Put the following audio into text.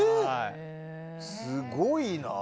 すごいな。